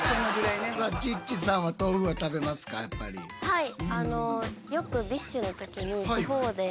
はい。